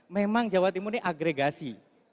memang jawa timur ini agregasi